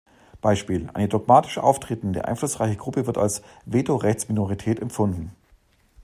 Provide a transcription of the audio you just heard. Beispiel: Eine dogmatisch auftretende, einflussreiche Gruppe wird als "Vetorechts-Minorität" empfunden.